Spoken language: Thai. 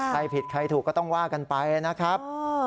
ใครผิดใครถูกก็ต้องว่ากันไปนะครับ